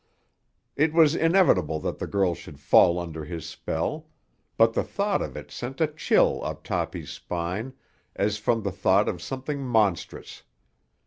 It was inevitable that the girl should fall under his spell, but the thought of it sent a chill up Toppy's spine as from the thought of something monstrous.